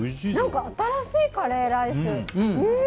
何か新しいカレーライス。